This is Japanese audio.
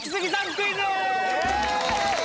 クイズ？